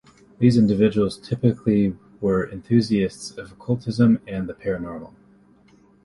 These individuals typically were enthusiasts of occultism and the paranormal.